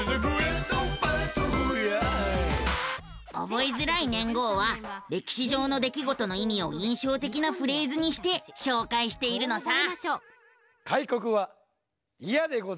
覚えづらい年号は歴史上の出来事の意味を印象的なフレーズにして紹介しているのさ。